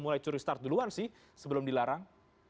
mulai curi start duluan sih sebelum dilarang